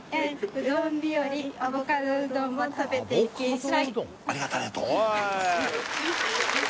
「うどん日和アボカドうどんば食べていきんしゃい！」